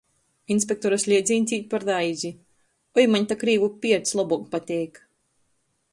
Inspektora sliedzīņs īt par reizi: "Oi, maņ ta krīvu pierts lobuok pateik!"